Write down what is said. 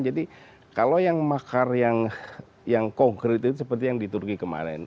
jadi kalau yang makar yang kongkrit itu seperti yang di turki kemarin